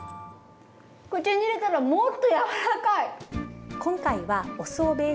口に入れたらもっと柔らかい！